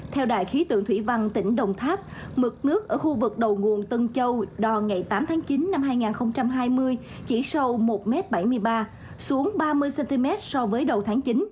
theo đài khí tượng thủy văn tỉnh đồng tháp mực nước ở khu vực đầu nguồn tân châu đò ngày tám tháng chín năm hai nghìn hai mươi chỉ sâu một m bảy mươi ba xuống ba mươi cm so với đầu tháng chín